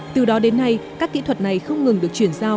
từ đó đến nay các kỹ thuật này không ngừng được chuyển giao